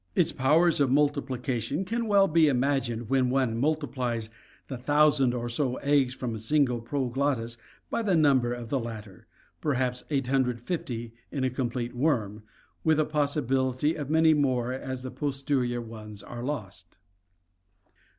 Its powers of multiplication can well be imagined when one multiplies the thousand or so eggs from a single proglottis by the number of the latter — perhaps 850 in a complete worm, with a possibility of many more as the posterior ones are lost!